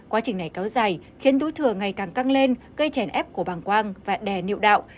quá trình này kéo dài khiến túi thừa ngày càng căng lên gây chèn ép của bàng quang và đè niệu đạo